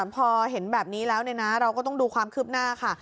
พอเห็นแบบนี้แล้วเราก็ต้องดูความคืบหน้าค่ะ